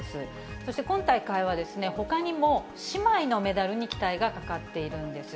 そして、今大会はほかにも姉妹のメダルに期待がかかっているんです。